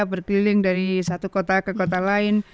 berkeliling dari satu kota ke kota lain